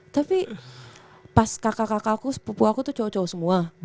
tapi pas kakak kakakku pupuk aku tuh cowok cowok semua